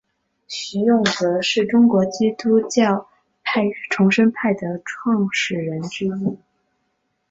徐永泽是中国基督教重生派的创始人之一。